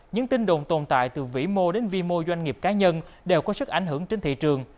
những tin đồn tồn tại từ vĩ mô đến vi mô doanh nghiệp cá nhân đều có sức ảnh hưởng trên thị trường